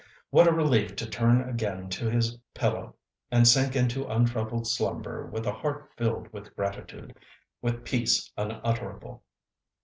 What a relief to turn again to his pillow, and sink into untroubled slumber with a heart filled with gratitude—with peace unutterable!